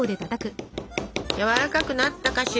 やわらかくなったかしら。